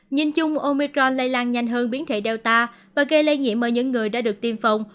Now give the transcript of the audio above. nhìn chung omicron lây lan nhanh hơn biến thể data và gây lây nhiễm ở những người đã được tiêm phòng